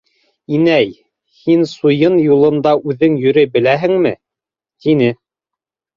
— Инәй, һин суйын юлында үҙең йөрөй беләһеңме? — тине.